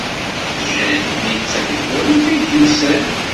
D Jane ay d tamezwarut ay d-yusan.